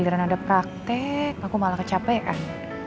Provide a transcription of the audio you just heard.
oh termasuk ga ada praktek aku malah kecapean ya kan